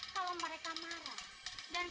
kamu mereka physical